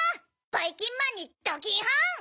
ばいきんまんにドキンはん！